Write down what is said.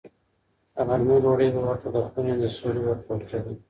د غرمې ډوډۍ به ورته د خونې له سوري ورکول کېده.